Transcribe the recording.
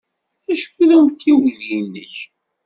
D acu-t umtiweg-nnek?